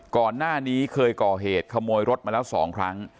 ก่อนหน้านี้เคยก่อเหตุขโมยรถมาแล้ว๒ครั้ง